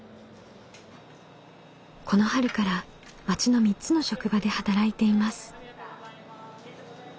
この春から町の３つの職場で働いています。